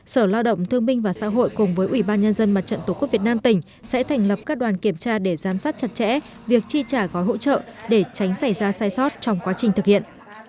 sở lao động thương minh và xã hội cùng với ủy ban nhân dân mặt trận tổ quốc việt nam tỉnh sẽ thành lập các đoàn kiểm tra để giám sát chặt chẽ việc chi trả gói hỗ trợ để tránh xảy ra sai sót trong quá trình thực hiện